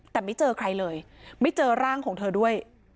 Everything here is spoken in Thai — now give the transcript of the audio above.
แต่ไม่เจอใครเลยไม่เจอร่างของเธอด้วย